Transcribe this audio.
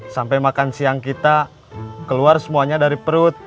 sampai makan siang kita keluar semuanya dari perut